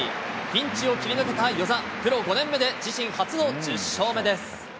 ピンチを切り抜けた與座、プロ５年目で自身初の１０勝目です。